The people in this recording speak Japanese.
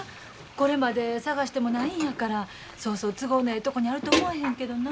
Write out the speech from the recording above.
これまで探してもないんやからそうそう都合のええとこにあると思えへんけどな。